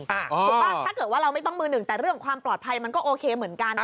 ถูกต้องถ้าเกิดว่าเราไม่ต้องมือหนึ่งแต่เรื่องความปลอดภัยมันก็โอเคเหมือนกัน